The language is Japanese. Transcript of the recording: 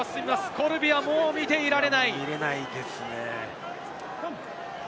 コルビはもう見ていられない。